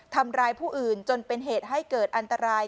ทำร้ายผู้อื่นจนเป็นเหตุให้เกิดอันตราย